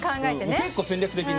結構戦略的に。